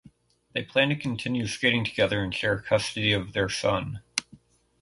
They plan to continue skating together and share custody of their son.